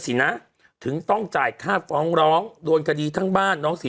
สินะถึงต้องจ่ายค่าฟ้องร้องโดนคดีทั้งบ้านน้องเสีย